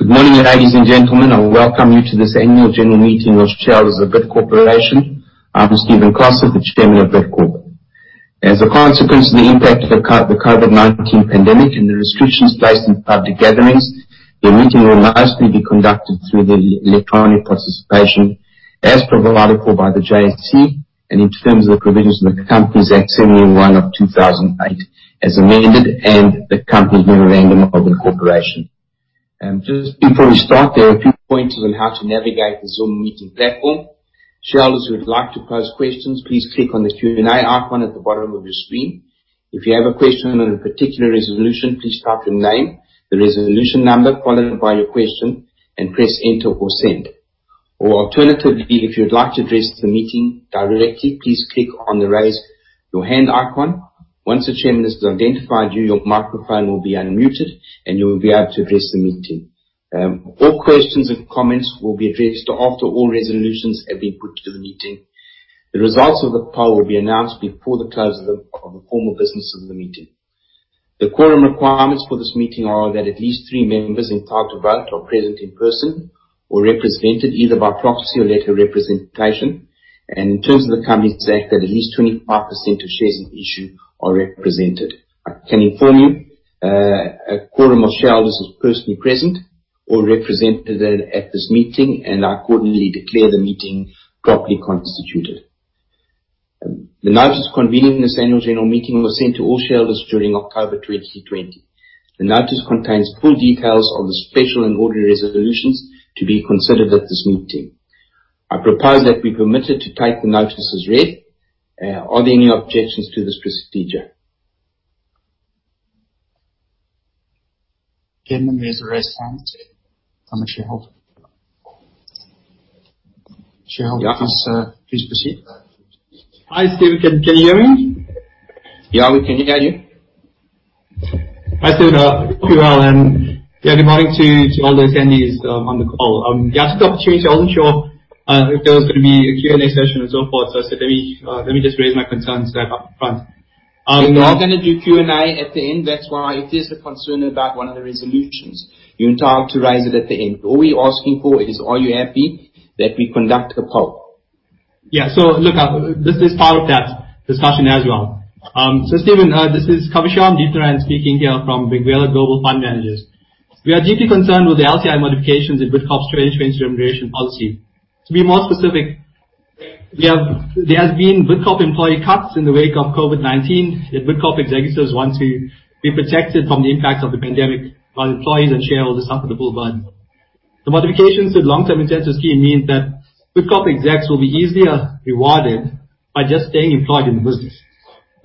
Good morning, ladies and gentlemen. I welcome you to this annual general meeting of shareholders of Bid Corporation. I'm Stephen Koseff, the chairman of Bidcorp. As a consequence of the impact of the COVID-19 pandemic and the restrictions placed on public gatherings, the meeting will mostly be conducted through electronic participation as per the article by the JSE and in terms of the provisions of the Companies Act 71 of 2008 as amended, and the company's memorandum of incorporation. Just before we start, there are a few pointers on how to navigate the Zoom meeting platform. Shareholders who would like to pose questions, please click on the Q&A icon at the bottom of your screen. If you have a question on a particular resolution, please type your name, the resolution number, followed by your question, and press enter or send. Or alternatively, if you'd like to address the meeting directly, please click on the raise your hand icon. Once the chairman has identified you, your microphone will be unmuted, and you will be able to address the meeting. All questions and comments will be addressed after all resolutions have been put to the meeting. The results of the poll will be announced before the close of the formal business of the meeting. The quorum requirements for this meeting are that at least three members entitled to vote are present in person or represented either by proxy or letter of representation. In terms of the Companies Act, that at least 25% of shares in issue are represented. I can inform you, a quorum of shareholders is personally present or represented at this meeting, and I accordingly declare the meeting properly constituted. The notice convening this annual general meeting was sent to all shareholders during October 2020. The notice contains full details on the special and ordinary resolutions to be considered at this meeting. I propose that we be permitted to take the notice as read. Are there any objections to this procedure? Gentlemen, there's a raised hand. Some shareholder. Shareholder, please proceed. Hi, Stephen. Can you hear me? Yeah, we can hear you. Hi, Stephen. Hope you're well, and good morning to all the attendees on the call. I wasn't sure if there was going to be a Q&A session and so forth, so I said, let me just raise my concerns right up front. We are going to do Q&A at the end. That's why it is a concern about one of the resolutions. You're entitled to raise it at the end. All we're asking for is, are you happy that we conduct a poll? Yeah. Look, this is part of that discussion as well. Stephen, this is Kavisharm Dheepnarayan speaking here from Benguela Global Fund Managers. We are deeply concerned with the LTI modifications in Bidcorp's trade transformation policy. To be more specific, there have been Bidcorp employee cuts in the wake of COVID-19, yet Bidcorp executives want to be protected from the impacts of the pandemic while employees and shareholders suffer the full burden. The modifications to the long-term incentive scheme mean that Bidcorp execs will be easily rewarded by just staying employed in the business.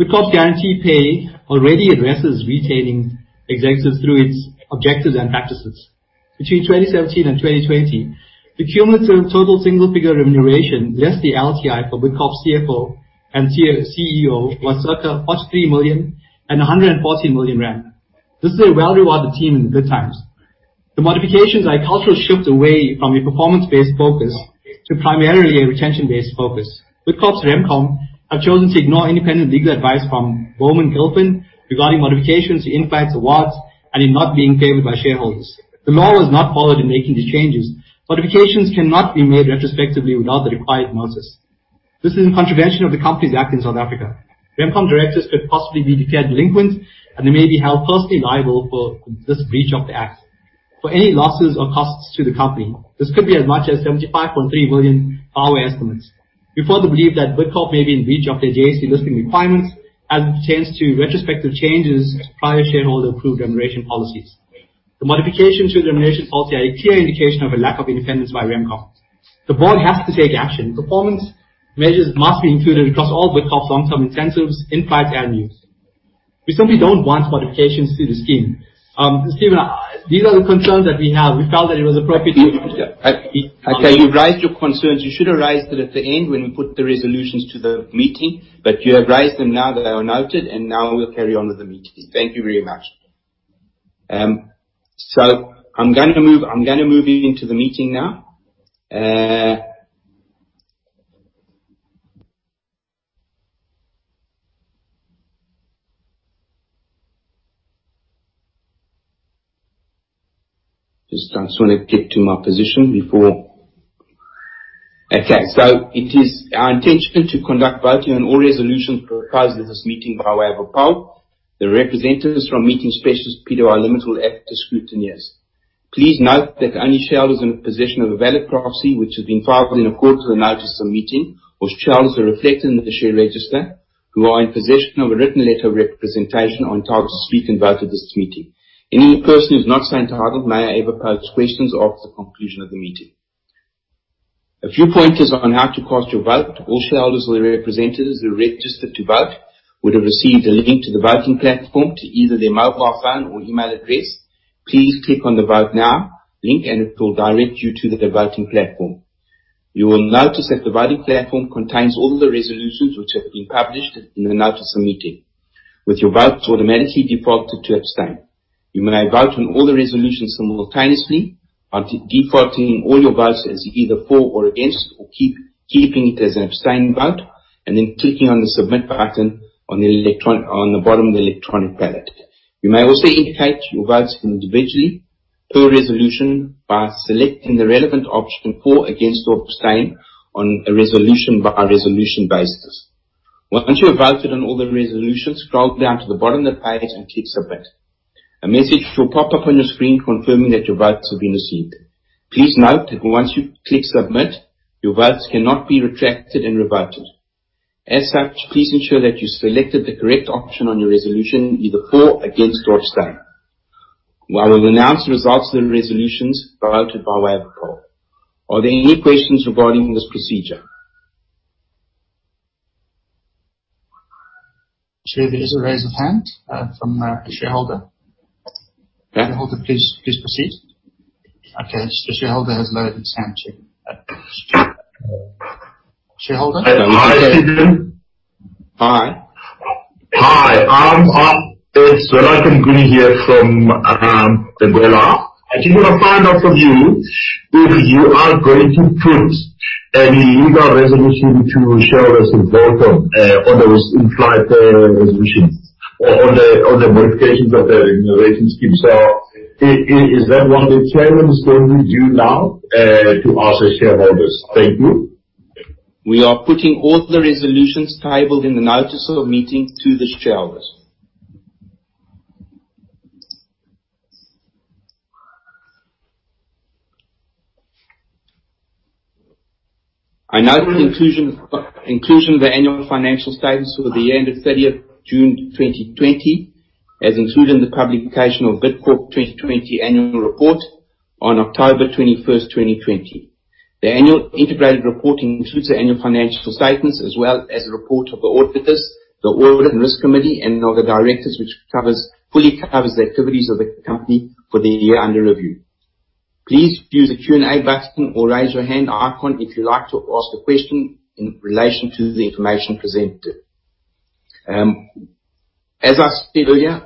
Bidcorp guarantee pay already addresses retaining executives through its objectives and practices. Between 2017 and 2020, the cumulative total single figure remuneration, less the LTI for Bidcorp's CFO and CEO, was such a 3 million and 114 million rand. This is a well-rewarded team in the good times. The modifications are a cultural shift away from a performance-based focus to primarily a retention-based focus. Bidcorp's RemCom have chosen to ignore independent legal advice from Bowman Gilfillan regarding modifications to in-flight awards and in not being favored by shareholders. The law was not followed in making these changes. Modifications cannot be made retrospectively without the required notice. This is in contravention of the Companies Act in South Africa. RemCom directors could possibly be declared delinquent, and they may be held personally liable for this breach of the act. For any losses or costs to the company, this could be as much as 75.3 million by our estimates. We further believe that Bidcorp may be in breach of their JSE listing requirements as it pertains to retrospective changes to prior shareholder-approved remuneration policies. The modification to the remuneration policy are a clear indication of a lack of independence by RemCom. The board has to take action. Performance measures must be included across all Bidcorp's long-term incentives, in flights and new. We simply don't want modifications to the scheme. Stephen, these are the concerns that we have. We felt that it was appropriate. Okay. You've raised your concerns. You should have raised it at the end when we put the resolutions to the meeting. You have raised them now. They are noted. Now we'll carry on with the meeting. Thank you very much. I'm gonna move into the meeting now. Just want to get to my position before. It is our intention to conduct voting on all resolutions proposed at this meeting by way of a poll. The representatives from the meeting specialists, (Pty) Limited, will act as scrutineers. Please note that only shareholders in possession of a valid proxy which has been filed in accordance with the notice of meeting or shareholders are reflected in the share register who are in possession of a written letter of representation are entitled to speak and vote at this meeting. Any person who is not so entitled may, however, pose questions after the conclusion of the meeting. A few pointers on how to cast your vote. All shareholders or their representatives who are registered to vote would have received a link to the voting platform to either their mobile phone or email address. Please click on the "Vote now" link and it will direct you to the voting platform. You will notice that the voting platform contains all the resolutions which have been published in the notice of meeting. With your vote, it automatically defaulted to abstain. You may vote on all the resolutions simultaneously by defaulting all your votes as either for or against, or keeping it as an abstaining vote, and then clicking on the Submit button on the bottom of the electronic ballot. You may also indicate your votes individually per resolution by selecting the relevant option for, against, or abstain on a resolution by resolution basis. Once you have voted on all the resolutions, scroll down to the bottom of the page and click Submit. A message will pop up on your screen confirming that your votes have been received. Please note that once you click Submit, your votes cannot be retracted and reverted. As such, please ensure that you selected the correct option on your resolution, either for, against, or abstain. We will announce the results of the resolutions voted by way of poll. Are there any questions regarding this procedure? Sir, there is a raise of hand from a shareholder. Yeah. Shareholder, please proceed. Okay, the shareholder has lowered his hand, sir. Shareholder? Hi, Stephen. Hi. Hi, it's Vela Mngwengwe here from Egoli Gas. I just want to find out from you if you are going to put any legal resolution to shareholders to vote on those in-flight resolutions or on the modifications of the remuneration scheme. Is that what the chairman is going to do now to ask the shareholders? Thank you. We are putting all the resolutions tabled in the notice of meeting to the shareholders. I note the inclusion of the annual financial statements for the year ended 30th June 2020, as included in the publication of Bidcorp 2020 annual report on October 21st, 2020. The annual integrated reporting includes the annual financial statements as well as a report of the auditors, the audit and risk committee, and of the directors, which fully covers the activities of the company for the year under review. Please use the Q&A button or raise your hand icon if you'd like to ask a question in relation to the information presented. As I said earlier,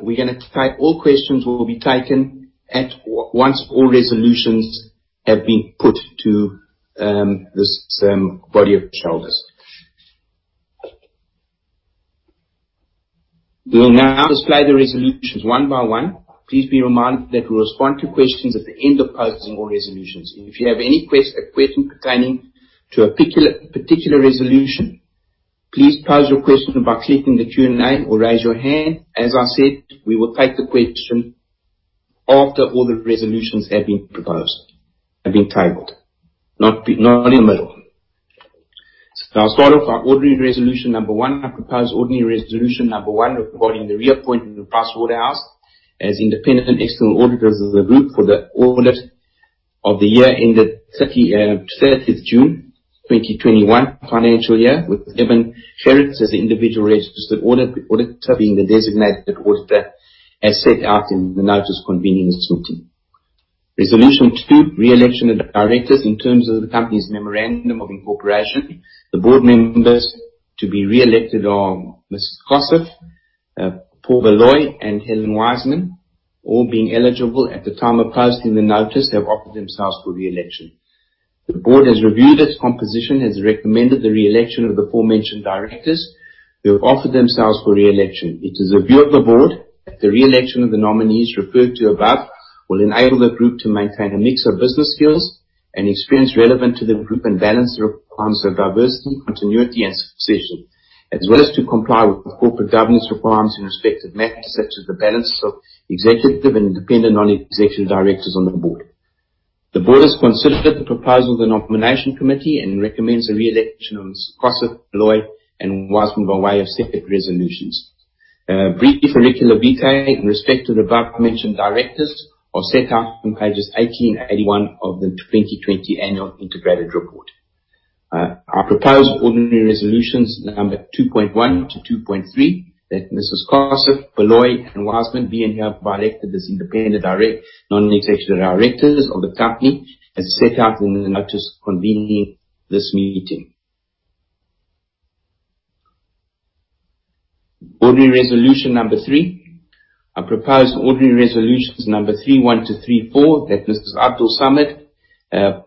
all questions will be taken once all resolutions have been put to this body of shareholders. We will now display the resolutions one by one. Please be reminded that we'll respond to questions at the end of posing all resolutions. If you have any question pertaining to a particular resolution, please pose your question by clicking the Q&A or raise your hand. As I said, we will take the question after all the resolutions have been proposed, have been tabled. Not in the middle. I'll start off our ordinary resolution number one. I propose ordinary resolution number one regarding the reappointment of PricewaterhouseCoopers as independent and external auditors of the group for the audit of the year ended 30th June 2021 financial year, with Eben Gerryts as the individual registered auditor being the Designated Auditor as set out in the notice convening this meeting. Resolution two, re-election of the directors in terms of the company's memorandum of incorporation. The board members to be re-elected are Stephen Koseff, Paul Baloyi, and Helen Wiseman, all being eligible at the time of posting the notice, have offered themselves for re-election. The board has reviewed its composition, has recommended the re-election of the forementioned directors who have offered themselves for re-election. It is the view of the board that the re-election of the nominees referred to above will enable the group to maintain a mix of business skills and experience relevant to the group and balance the requirements of diversity, continuity, and succession, as well as to comply with the corporate governance requirements in respected matters such as the balance of executive and independent non-executive directors on the board. The board has considered the proposal of the nomination committee and recommends the re-election of Stephen Koseff, Baloyi, and Wiseman by way of separate resolutions. Briefly, curricula vitae in respect to the above-mentioned directors are set out on pages 80 and 81 of the 2020 annual integrated report. I propose ordinary resolutions number 2.1 to 2.3, that Stephen Koseff, Paul Baloyi, and Helen Wiseman be and are elected as independent direct, non-executive directors of the company as set out in the notice convening this meeting. Ordinary resolution number three. I propose ordinary resolutions number 3.1 to 3.4 that Mrs. Tasneem Abdool-Samad,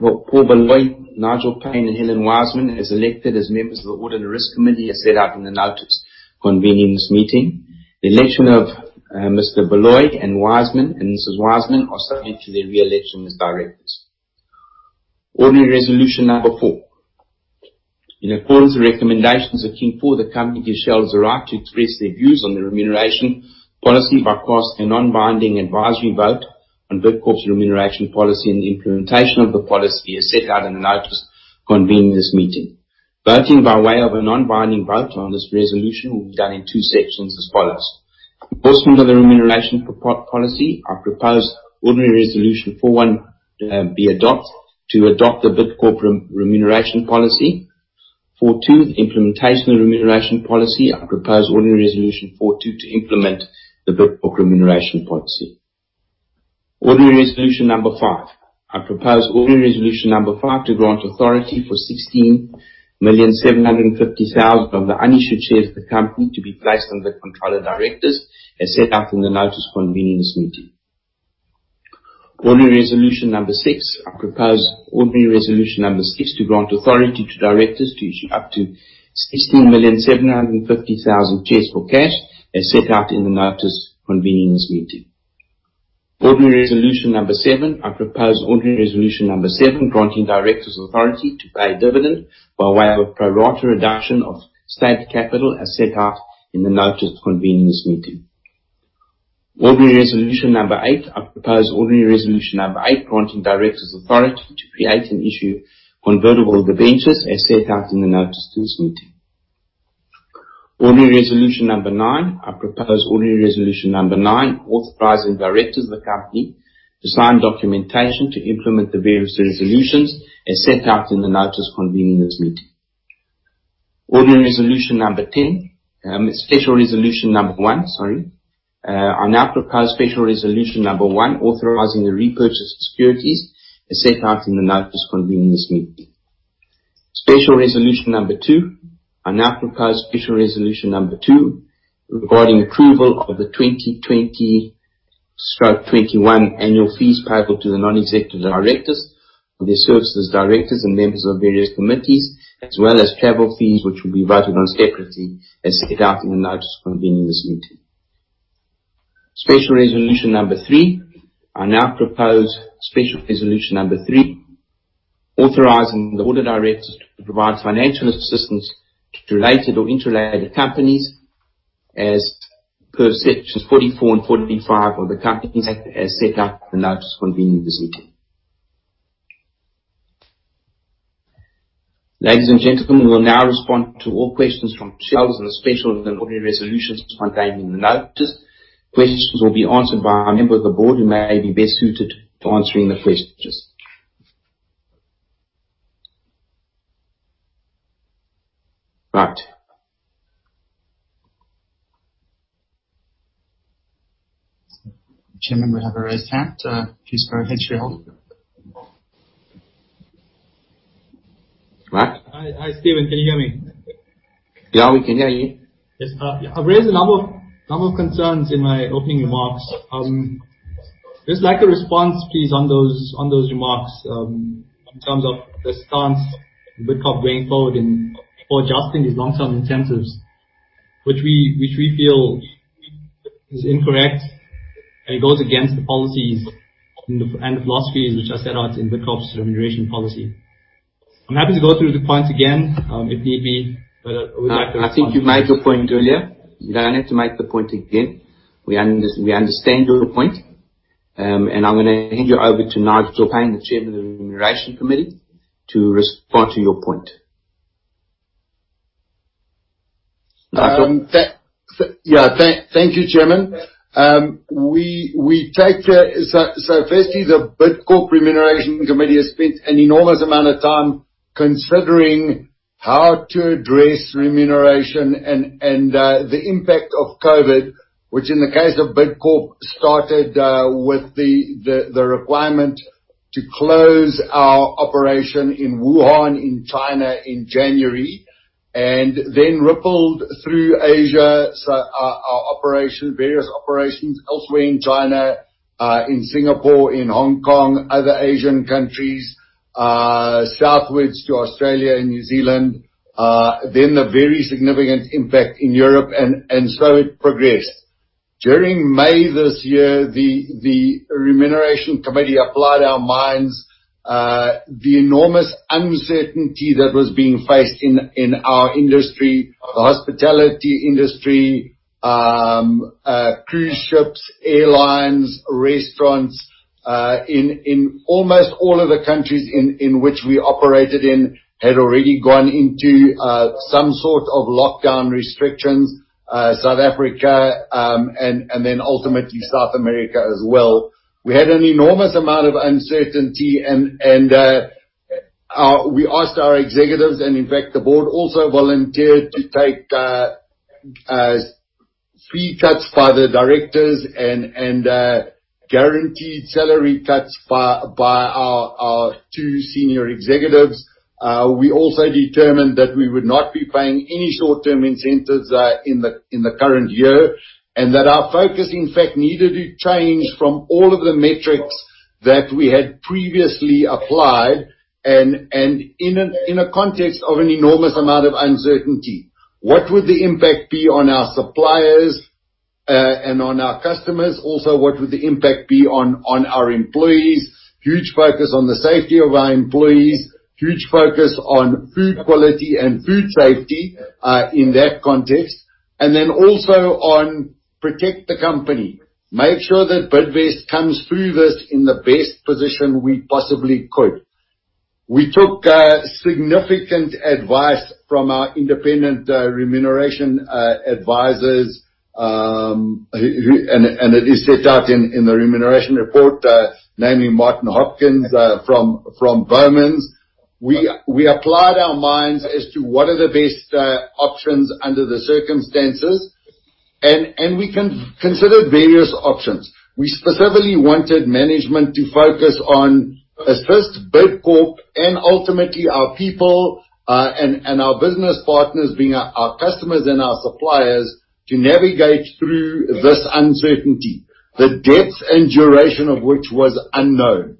Paul Baloyi, Nigel Payne, and Helen Wiseman as elected as members of the audit and risk committee as set out in the notice convening this meeting. The election of Mr. Baloyi and Mrs. Wiseman are subject to their re-election as directors. Ordinary resolution number four. In accordance with recommendations of King IV, the company gives shareholders the right to express their views on the remuneration policy by cast a non-binding advisory vote on Bidcorp's remuneration policy and the implementation of the policy as set out in the notice convening this meeting. Voting by way of a non-binding vote on this resolution will be done in two sections as follows. Endorsement of the remuneration policy. I propose ordinary resolution four one, be adopt to adopt the Bidcorp remuneration policy. Four two, the implementation of remuneration policy. I propose ordinary resolution four two to implement the Bidcorp remuneration policy. Ordinary resolution number five. I propose ordinary resolution number five to grant authority for 16,750,000 of the unissued shares of the company to be placed under the control of directors as set out in the notice convening this meeting. Ordinary resolution number six. I propose ordinary resolution number six to grant authority to directors to issue up to 16,750,000 shares for cash as set out in the notice convening this meeting. Ordinary resolution number seven. I propose ordinary resolution number seven granting directors authority to pay a dividend by way of a pro rata reduction of paid capital as set out in the notice convening this meeting. Ordinary resolution number eight. I propose ordinary resolution number eight granting directors authority to create and issue convertible debentures as set out in the notice to this meeting. Ordinary resolution number nine. I propose ordinary resolution number nine authorizing directors of the company to sign documentation to implement the various resolutions as set out in the notice convening this meeting. Ordinary resolution number 10, special resolution number one, sorry. I now propose special resolution number one authorizing the repurchase of securities as set out in the notice convening this meeting. Special resolution number two. I now propose special resolution number two regarding approval of the 2020/2021 annual fees payable to the non-executive directors for their service as directors and members of various committees, as well as travel fees, which will be voted on separately as set out in the notice convening this meeting. Special resolution number three. I now propose special resolution number three authorizing the board of directors to provide financial assistance to related or interrelated companies as per Sections 44 and 45 of the Companies Act as set out in the notice convening this meeting. Ladies and gentlemen, we will now respond to all questions from shareholders on the special and ordinary resolutions contained in the notice. Questions will be answered by a member of the board who may be best suited to answering the questions. Right. Chairman, we have a raised hand. Please go ahead, Shareholder. What? Hi, Stephen. Can you hear me? Yeah, we can hear you. Yes. I've raised a number of concerns in my opening remarks. Just like a response, please, on those remarks, in terms of the stance Bidcorp going forward in for adjusting these long-term incentives, which we feel is incorrect and goes against the policies and the philosophies which are set out in Bidcorp's remuneration policy. I'm happy to go through the points again, if need be, but I would like a response. I think you made the point earlier. You don't have to make the point again. We understand your point. I'm going to hand you over to Nigel Payne, the Chairman of the Remuneration Committee, to respond to your point. Nigel. Thank you, Chairman. Firstly, the Bidcorp Remuneration Committee has spent an enormous amount of time considering how to address remuneration and the impact of COVID, which in the case of Bidcorp started with the requirement to close our operation in Wuhan, in China in January, and then rippled through Asia. Our various operations elsewhere in China, in Singapore, in Hong Kong, other Asian countries, southwards to Australia and New Zealand. The very significant impact in Europe. It progressed. During May this year, the Remuneration Committee applied our minds the enormous uncertainty that was being faced in our industry, the hospitality industry, cruise ships, airlines, restaurants. In almost all of the countries in which we operated in had already gone into some sort of lockdown restrictions. South Africa, ultimately South America as well. We had an enormous amount of uncertainty and we asked our executives, and in fact, the board also volunteered to take fee cuts by the directors and guaranteed salary cuts by our two senior executives. We also determined that we would not be paying any short-term incentives in the current year, and that our focus, in fact, needed to change from all of the metrics that we had previously applied and in a context of an enormous amount of uncertainty. What would the impact be on our suppliers, and on our customers? Also, what would the impact be on our employees? Huge focus on the safety of our employees, huge focus on food quality and food safety, in that context. Then also on protect the company. Make sure that Bidcorp comes through this in the best position we possibly could. We took significant advice from our independent remuneration advisors, and it is set out in the remuneration report, namely Martin Hopkins from Bowmans. We applied our minds as to what are the best options under the circumstances. We considered various options. We specifically wanted management to focus on assist Bidcorp and ultimately our people, and our business partners, being our customers and our suppliers, to navigate through this uncertainty, the depth and duration of which was unknown.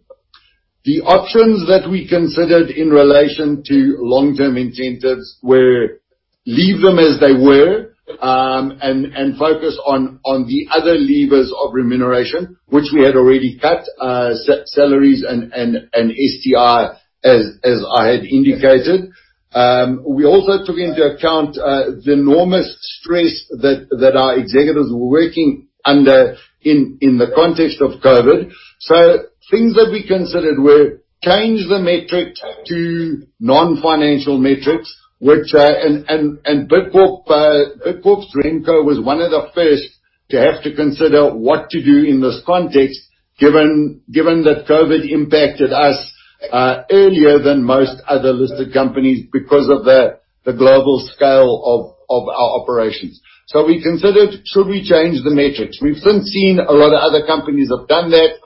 The options that we considered in relation to long-term incentives were leave them as they were, and focus on the other levers of remuneration, which we had already cut, salaries and STI, as I had indicated. We also took into account the enormous stress that our executives were working under in the context of COVID. Things that we considered were change the metrics to non-financial metrics. Bidcorp's Remco was one of the first to have to consider what to do in this context, given that COVID impacted us earlier than most other listed companies because of the global scale of our operations. We considered should we change the metrics. We've since seen a lot of other companies have done that.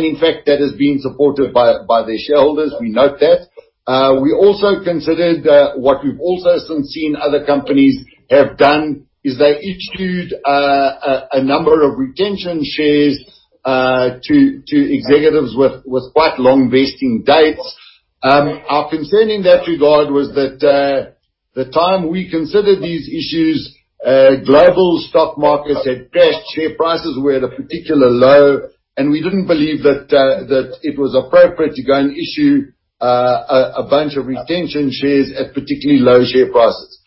In fact, that is being supported by their shareholders. We note that. We also considered what we've also since seen other companies have done, is they issued a number of retention shares to executives with quite long vesting dates. Our concern in that regard was that, the time we considered these issues, global stock markets had crashed, share prices were at a particular low, and we didn't believe that it was appropriate to go and issue a bunch of retention shares at particularly low share prices.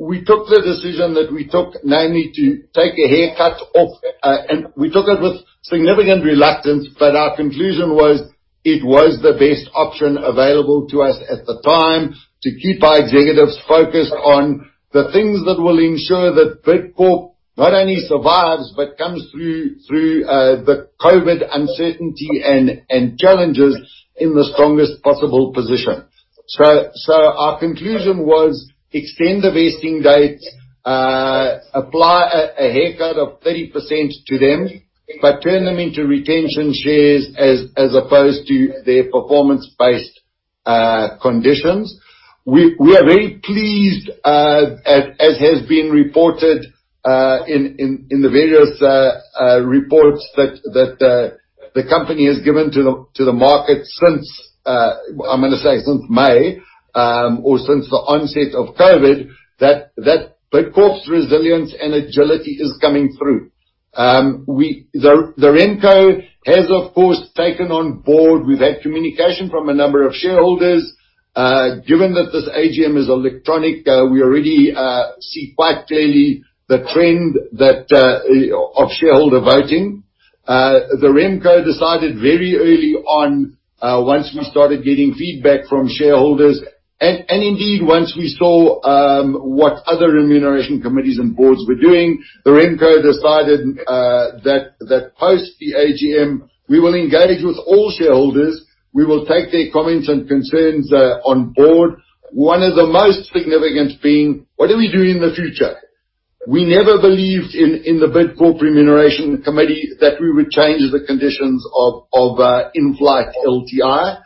We took the decision that we took namely to take a haircut off, and we took it with significant reluctance, but our conclusion was it was the best option available to us at the time to keep our executives focused on the things that will ensure that Bidcorp not only survives, but comes through the COVID uncertainty and challenges in the strongest possible position. Our conclusion was extend the vesting dates, apply a haircut of 30% to them, but turn them into retention shares as opposed to their performance-based conditions. We are very pleased, as has been reported, in the various reports that the company has given to the market since, I'm gonna say since May, or since the onset of COVID, that Bidcorp's resilience and agility is coming through. The Remco has, of course, taken on board. We've had communication from a number of shareholders. Given that this AGM is electronic, we already see quite clearly the trend of shareholder voting. The Remco decided very early on, once we started getting feedback from shareholders and indeed once we saw what other remuneration committees and boards were doing. The Remco decided that post the AGM, we will engage with all shareholders. We will take their comments and concerns on board. One of the most significant being, what do we do in the future? We never believed in the Bidcorp Remuneration Committee that we would change the conditions of in-flight LTI.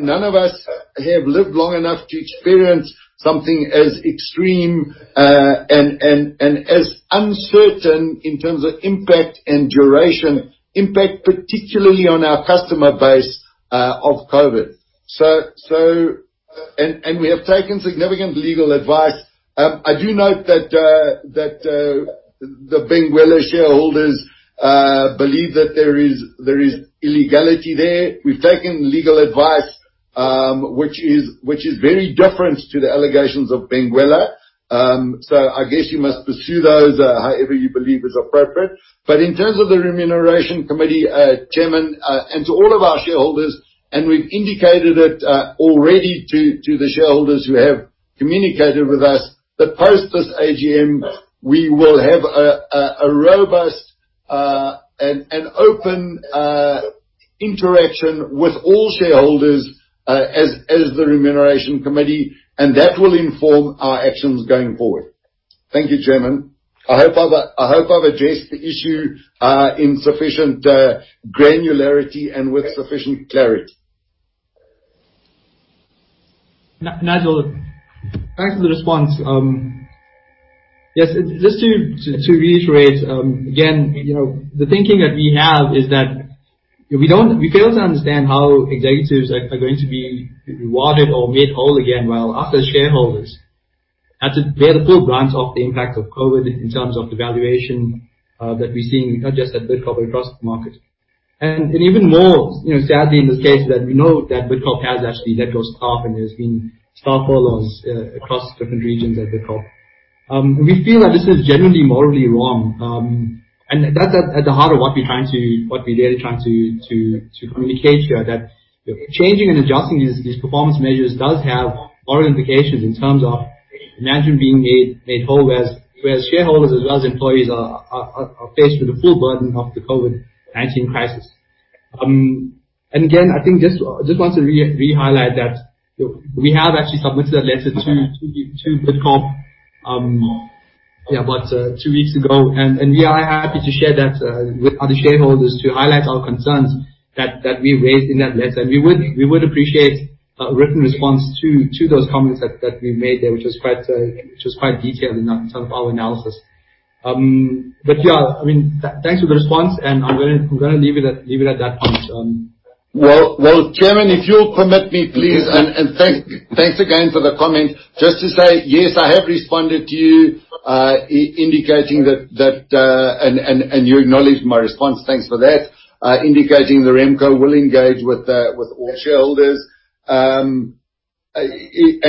None of us have lived long enough to experience something as extreme, and as uncertain in terms of impact and duration, impact particularly on our customer base, of COVID. We have taken significant legal advice. I do note that the Benguela shareholders believe that there is illegality there. We've taken legal advice, which is very different to the allegations of Benguela. I guess you must pursue those however you believe is appropriate. In terms of the Remuneration Committee, chairman, and to all of our shareholders, we've indicated it already to the shareholders who have communicated with us, that post this AGM, we will have a robust, and open interaction with all shareholders, as the Remuneration Committee, that will inform our actions going forward. Thank you, Chairman. I hope I've addressed the issue in sufficient granularity and with sufficient clarity. Nigel, thanks for the response. Yes. Just to reiterate, again, the thinking that we have is that we fail to understand how executives are going to be rewarded or made whole again while us as shareholders had to bear the full brunt of the impact of COVID-19 in terms of devaluation that we're seeing, not just at Bidcorp, but across the market. Even more, sadly in this case, that we know that Bidcorp has actually let go staff, and there's been staff furloughs across different regions at Bidcorp. We feel that this is genuinely morally wrong, and that's at the heart of what we're really trying to communicate here. That changing and adjusting these performance measures does have moral implications in terms of management being made whole whereas shareholders as well as employees are faced with the full burden of the COVID-19 crisis. Again, I think just want to re-highlight that we have actually submitted a letter to Bidcorp. Yeah, about two weeks ago. We are happy to share that with other shareholders to highlight our concerns that we raised in that letter. We would appreciate a written response to those comments that we've made there, which was quite detailed in some of our analysis. Yeah, thanks for the response, and I'm going to leave it at that point. Well, chairman, if you'll permit me, please. Thanks again for the comment. Just to say, yes, I have responded to you, and you acknowledged my response, thanks for that, indicating the Remco will engage with all shareholders. You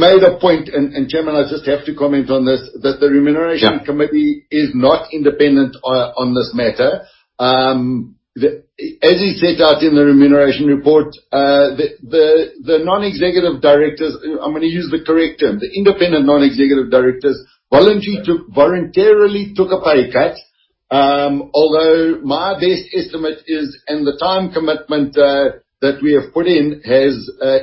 made a point, and chairman, I just have to comment on this. Yeah. Committee is not independent on this matter. As is set out in the remuneration report, the non-executive directors, I'm going to use the correct term, the independent non-executive directors voluntarily took a pay cut. My best estimate is, and the time commitment that we have put in has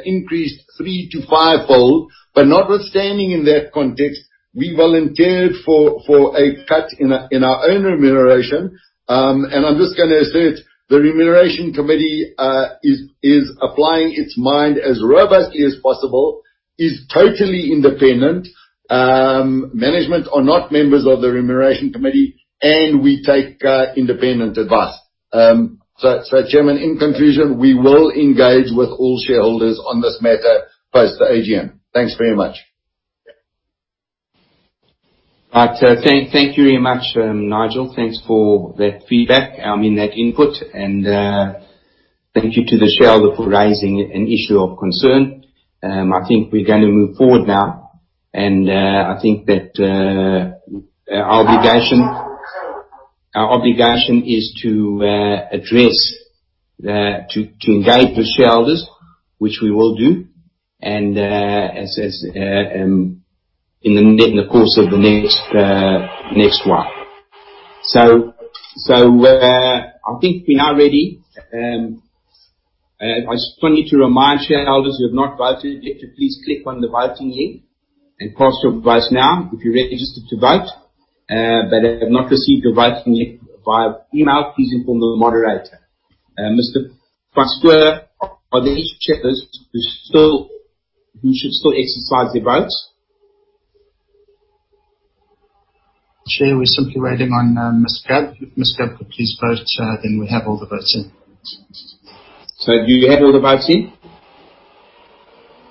increased three to five-fold. Notwithstanding in that context, we volunteered for a cut in our own remuneration. I'm just going to assert the remuneration committee is applying its mind as robustly as possible, is totally independent. Management are not members of the remuneration committee, and we take independent advice. Chairman, in conclusion, we will engage with all shareholders on this matter post the AGM. Thanks very much. Right. Thank you very much, Nigel. Thanks for that feedback, I mean, that input. Thank you to the shareholder for raising an issue of concern. I think we're going to move forward now. I think that our obligation is to engage with shareholders, which we will do, and in the course of the next one. I think we're now ready. I just want you to remind shareholders who have not voted yet to please click on the voting link and pass your advice now if you're registered to vote. If you have not received your voting link via email, please inform the moderator. Mr. Pasqua, are there any shareholders who should still exercise their votes? Sure. We're simply waiting on Ms. Gab. If Ms. Gab could please vote, then we have all the votes in. Do you have all the votes in?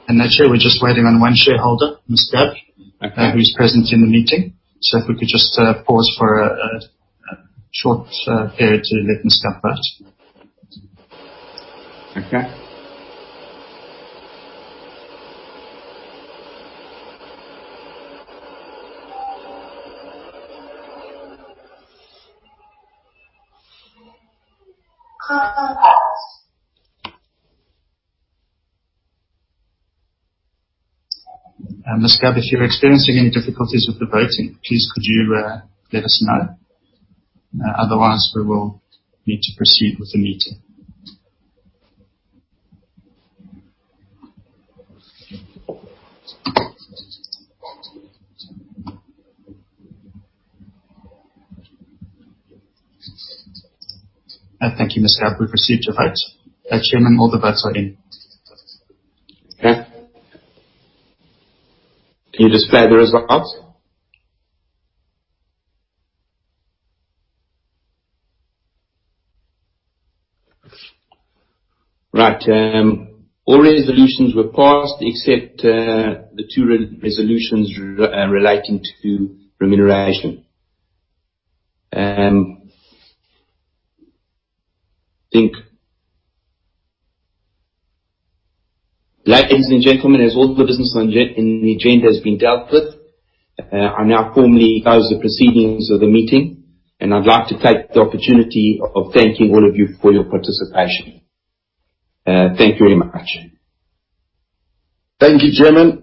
I'm not sure. We're just waiting on one shareholder, Ms. Gab- Okay. Who's present in the meeting. If we could just pause for a short period to let Ms. Gab vote. Okay. Ms. Gab, if you're experiencing any difficulties with the voting, please could you let us know. Otherwise, we will need to proceed with the meeting. Thank you, Ms. Gab. We've received your vote. Chairman, all the votes are in. Okay. Can you display the results? Right. All resolutions were passed except the two resolutions relating to remuneration. I think, ladies and gentlemen, as all the business in the agenda has been dealt with, I now formally close the proceedings of the meeting. I'd like to take the opportunity of thanking all of you for your participation. Thank you very much. Thank you, Chairman.